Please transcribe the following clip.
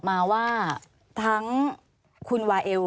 ปีอาทิตย์ห้ามีส